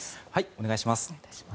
お願いします。